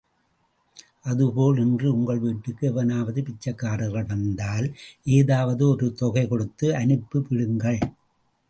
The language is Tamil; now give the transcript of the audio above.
அதுபோல் இன்று உங்கள் வீட்டுக்கு எவனாவ்து பிச்சைக்காரன் வந்தால், ஏதாவது ஒரு தொகை கொடுத்து அனுப்பிவிடுங்கள்.